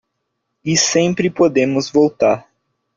E sempre podemos voltar.